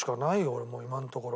俺もう今のところ。